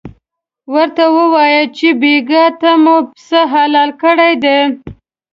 ورته ووایه چې بېګاه ته مو پسه حلال کړی دی.